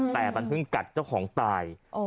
แต่มันเพิ่งกัดเจ้าของตาย